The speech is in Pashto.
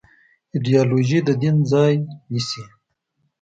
ایدیالوژي د دین ځای نيسي.